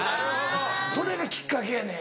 それがきっかけやねん。